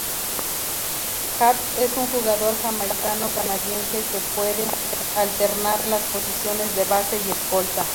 Jabs es un jugador jamaicano-canadiense que puede alternar las posiciones de base y escolta.